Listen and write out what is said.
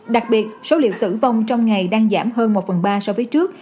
đặc biệt số liệu tử vong trong ngày đang giảm hơn một phần ba so với trước